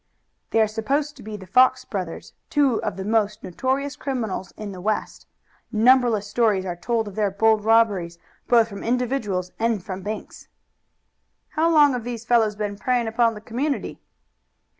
"They are supposed to be the Fox brothers, two of the most notorious criminals in the West. Numberless stories are told of their bold robberies, both from individuals and from banks." "How long have these fellows been preying upon the community?"